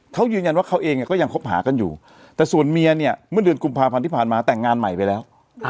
เขายืนยันว่าเขาเองก็ยังคบหากันอยู่แต่ส่วนเมียเนี่ยเมื่อเดือนกุมภาพันธ์ที่ผ่านมาแต่งงานใหม่ไปแล้ว